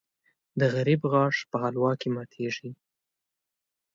د غریب غاښ په حلوا کې ماتېږي .